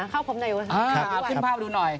เข้าพรมนายุสักนิดนึง